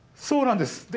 そうなんです。